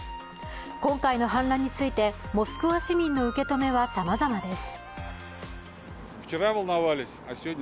今回の反乱についてモスクワ市民の受け止めはさまざまです。